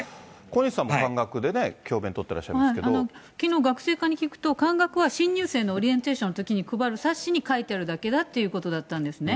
小西さんも関学でね、きのう、学生課に聞くと、関学は新入生のオリエンテーションのときに配る冊子に書いてあるだけだっていうことだったんですね。